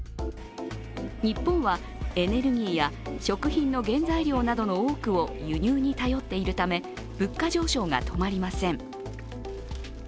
日本はエネルギーや食品の原材料などの多くを輸入に頼っているため物価上昇が止まりません。